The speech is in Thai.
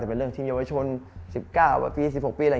แต่เป็นเรื่องที่เยาวะชน๑๙๑๖ปี